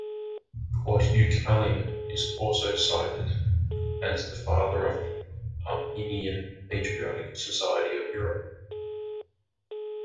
Portukalian is also cited as the father of the Armenian Patriotic Society of Europe.